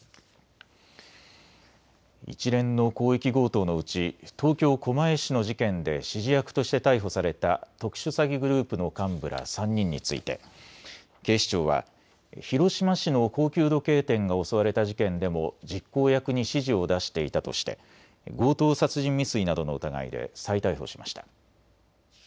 一連の広域強盗のうち東京狛江市の事件で指示役として逮捕された特殊詐欺グループの幹部ら３人について警視庁は広島市の高級時計店が襲われた事件でも実行役に指示を出していたとして強盗殺人未遂などの疑いで再逮捕しました。